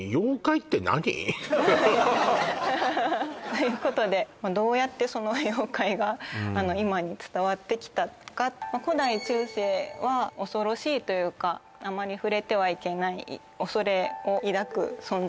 何？ということでどうやって妖怪が今に伝わってきたか古代中世は恐ろしいというかあまり触れてはいけない恐れを抱く存在